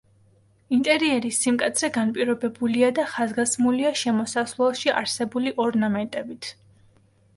ინტერიერის სიმკაცრე განპირობებულია და ხაზგასმულია შემოსასვლელში არსებული ორნამენტებით.